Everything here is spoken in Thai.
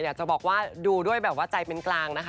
อยากจะบอกว่าดูด้วยแบบว่าใจเป็นกลางนะคะ